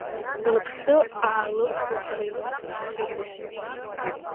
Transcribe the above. Лыԥсы аалыхәлахеит Хьыкәыр.